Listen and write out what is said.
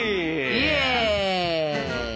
イエイ！